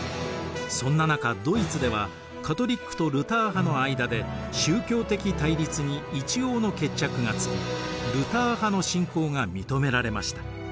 そんな中ドイツではカトリックとルター派の間で宗教的対立に一応の決着がつきルター派の信仰が認められました。